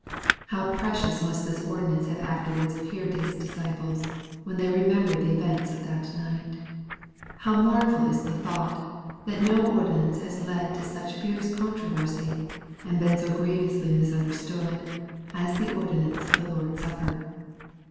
How precious must this ordinance have afterwards ap peared to His disciples, when they remembered the events of that night. How mournful is the thought, that no ordinance has led to such fierce controversy, and Deen so grievously misunderstood, as the ordinance of the Lord's Sapper.